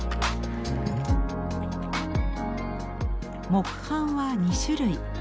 木版は２種類。